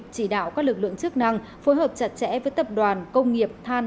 chỉ đạo các lực lượng chức năng phối hợp chặt chẽ với tập đoàn công nghiệp than